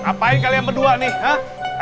ngapain kalian berdua nih eh